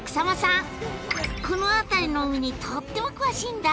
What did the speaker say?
この辺りの海にとっても詳しいんだ！